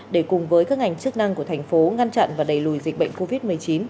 để cùng với các ngành chức năng của thành phố ngăn chặn và đẩy lùi dịch bệnh covid một mươi chín